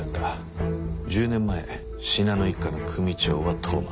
１０年前信濃一家の組長は当麻。